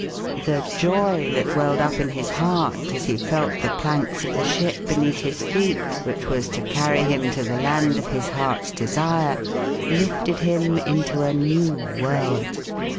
The joy that welled up in his heart as he felt the planks of the ship beneath his feet, which was to carry him to the land of his heart's desire, lifted him into a new world.